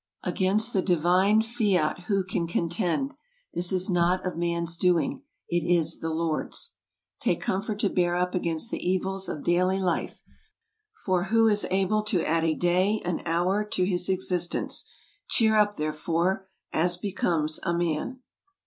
Against the divine fiat who can contend? This is not of man's doing; it is the Lord's. Take comfort to bear up against the evils of daily life ; for who is able to add a day, an hour, to his existence ? Cheei up, therefore, as becomes a man."